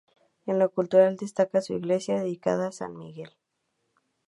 En lo cultural destaca su iglesia, dedicada a San Miguel.